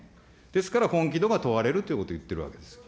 ですから本気度が問われるということを言ってるわけです。